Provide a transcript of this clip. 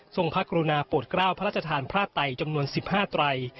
พระกรุณาโปรดกล้าวพระราชทานพระไตจำนวน๑๕ไตร